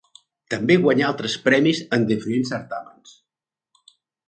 També guanyà altres premis en diferents certàmens.